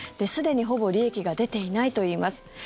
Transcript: すでに、ほぼ利益が出ていないといいます。